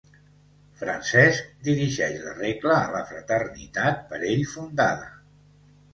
Francesc dirigeix la Regla a la fraternitat per ell fundada.